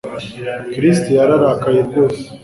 Chris yararakaye rwose